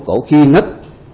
bóp cổ khi nứt